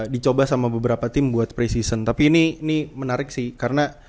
dicoba sama beberapa tim buat pre season tapi ini ini menarik sih karena